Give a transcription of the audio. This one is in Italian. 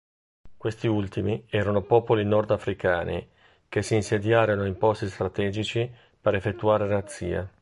Questi ultimi erano popoli nord-africani che si insediarono in posti strategici per effettuare razzie.